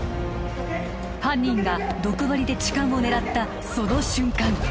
犯人が毒針で痴漢を狙ったその瞬間